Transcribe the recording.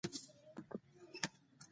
هغه د ښایسته اواز پر مهال د مینې خبرې وکړې.